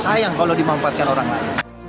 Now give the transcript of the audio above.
sayang kalau dimanfaatkan orang lain